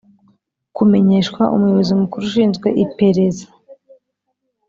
kumenyeshwa umuyobozi mukuru ushinzwe ipereza